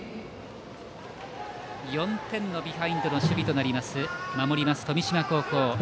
４点のビハインドでの守備となる守ります、富島高校。